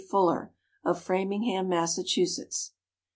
Fuller, of Fram ingham, Massachusetts.